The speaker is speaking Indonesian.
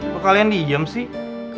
kok kalian diem sih